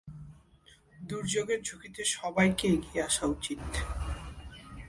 দুর্যোগের ঝুঁকি কমাতে কাদের এগিয়ে আসতে হবেই?